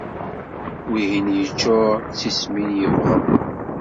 Wihin yeččur d tismin, yebɣeḍ